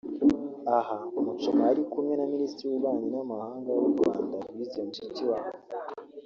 Aha Muchoma yari kumwe na Minisitiri w'Ububanyi n'Amahanga w'u Rwanda Louise Mushikiwabo